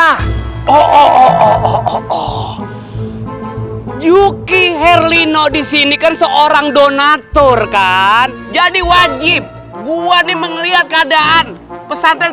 ah oh yuki herlino disini kan seorang donatur kan jadi wajib gua nih mengelihat keadaan pesantren